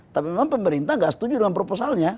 tapi memang pemerintah nggak setuju dengan proposalnya